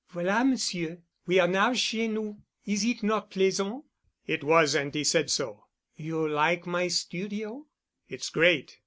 "Voilà, Monsieur—we are now chez nous. Is it not pleasant?" It was, and he said so. "You like my studio?" "It's great.